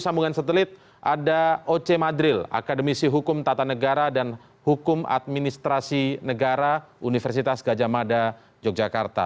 sambungan satelit ada oce madril akademisi hukum tata negara dan hukum administrasi negara universitas gajah mada yogyakarta